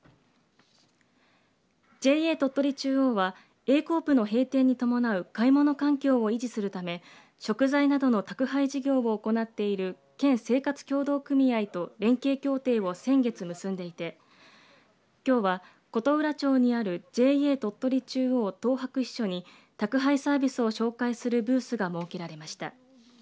ＪＡ鳥取中央はＡコープの閉店に伴う買い物環境を維持するため食材などの宅配事業を行っている県生活協同組合と連携協定を先月、結んでいてきょうは琴浦町にあるＪＡ鳥取中央東伯支所に宅配サービスを紹介するブースが設けられました。